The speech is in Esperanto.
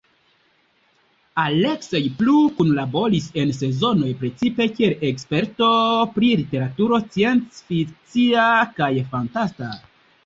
Aleksej plu kunlaboris en Sezonoj, precipe kiel eksperto pri literaturo scienc-fikcia kaj fantasta.